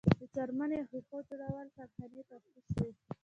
د څرمنې او ښیښو جوړولو کارخانې تاسیس شوې.